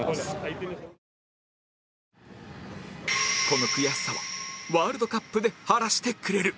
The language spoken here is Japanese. この悔しさはワールドカップで晴らしてくれる